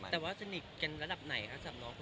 แต่ว่าสนิทกันระดับไหนครับจากน้องคุณ